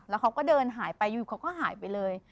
แล้วเขาก็เดินหายไปอยู่เขาก็หายไปเลย